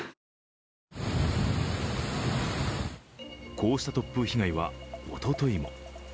こうした突風被害はおとといも。